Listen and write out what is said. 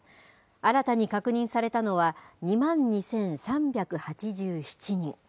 新たに確認されたのは２万２３８７人。